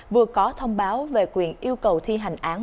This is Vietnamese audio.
vừa có thông báo về quyền yêu cầu thi hành án